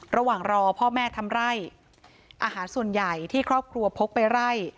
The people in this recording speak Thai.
ระหว่างรอพ่อแม่ทำไร่อาหารส่วนใหญ่ที่ครอบครัวพกไปไล่